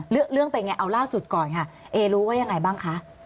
เรื่องเป็นไงเอาล่าสุดก่อนค่ะเอรู้ว่ายังไงบ้างคะ